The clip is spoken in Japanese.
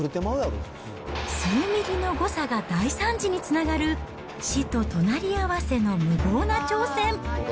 数ミリの誤差が大惨事につながる、死と隣り合わせの無謀な挑戦。